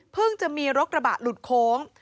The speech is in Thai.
จะมีรถกระบะหลุดโค้ง